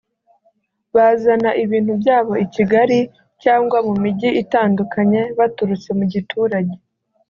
bazana ibintu byabo i Kigali cyangwa mu mijyi itandukanye baturutse mu giturage